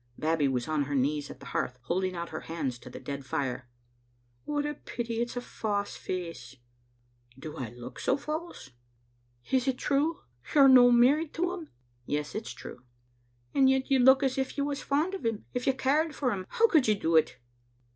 Babbie was on her knees at the hearth, holding out her hands to the dead fire. "What a pity it's a fause face." . "Do I look so false?" Digitized by VjOOQ IC asabbie an^ Aargaret 885 " Is it true? You're no married to him?'* "Yes, it is true." " And yet you look as if you was fond o' him. If you cared for him, how could you do it?"